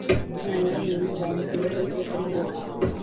Nyamara intungane zibaho iteka ryose,